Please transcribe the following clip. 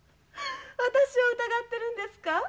私を疑ってるんですか？